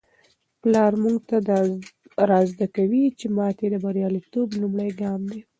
پلار موږ ته را زده کوي چي ماتې د بریالیتوب لومړی ګام دی.